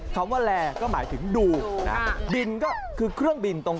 คำว่าแลก็หมายถึงดูนะบินก็คือเครื่องบินตรง